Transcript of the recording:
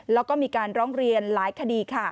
แล้วก็มีการร้องเรียนหลายคดี